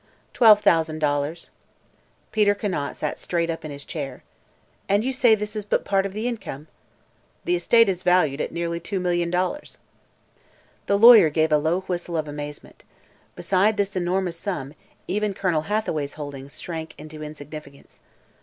"Twelve thousand dollars." Peter Conant sat up straight in his chair. "And you say this is but part of the income?" "The estate is valued at nearly two million dollars." The lawyer gave a low whistle of amazement. Beside this enormous sum, even Colonel Hathaway's holdings shrank into insignificance.